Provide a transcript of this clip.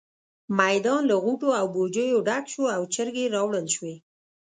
میدان له غوټو او بوجيو ډک شو او چرګې راوړل شوې.